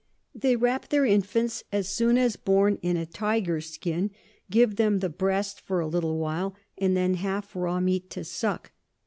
They wrap their Infants as soon as born in a Tyger's Skin, give them the Breast for a little while, and then half raw Meat to suck.